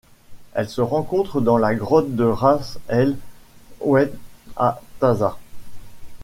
Elle se rencontre dans la Grotte de Ras el Oued à Taza.